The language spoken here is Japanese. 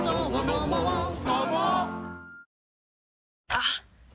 あっ！